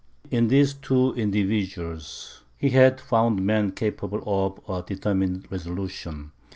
In these two individuals, he had found men capable of a determined resolution.